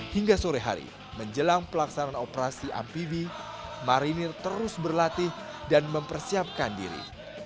hingga sore hari menjelang pelaksanaan operasi amfibi marinir terus berlatih dan mempersiapkan diri